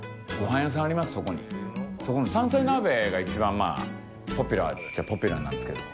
が一番ポピュラーっちゃポピュラーなんですけど。